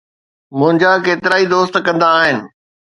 منهنجا ڪيترائي دوست ڪندا آهن.